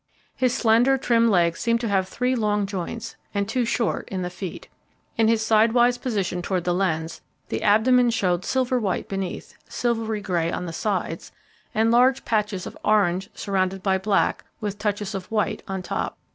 His slender, trim legs seemed to have three long joints, and two short in the feet. In his sidewise position toward the lens, the abdomen showed silver white beneath, silvery grey on the sides, and large patches of orange surrounded by black, with touches of white on top.